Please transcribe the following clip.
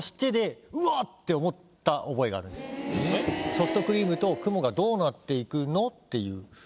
ソフトクリームと雲がどうなっていくの？っていう。